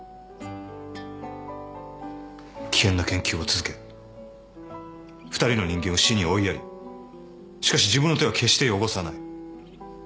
危険な研究を続け二人の人間を死に追いやりしかし自分の手は決して汚さない。